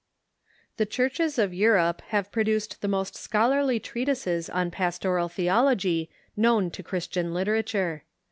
The Churches of Europe have produced the most scholarly treatises on Pastoral Theology known to Christian literature.